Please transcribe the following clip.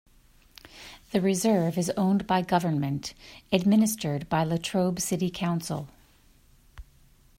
The reserve is owned by government, administered by Latrobe City Council.